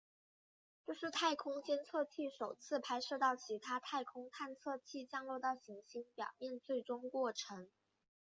这是太空探测器首次拍摄到其他太空探测器降落到行星表面最终过程。